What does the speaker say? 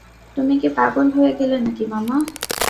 তুমি কি পাগল হয়ে গেলে নাকি মামা?